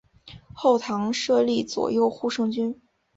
后唐设立左右护圣军。